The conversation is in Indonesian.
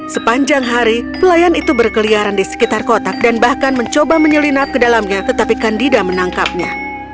sepanjang hari pelayan itu berkeliaran di sekitar kotak dan bahkan mencoba menyelinap ke dalamnya tetapi kandida menangkapnya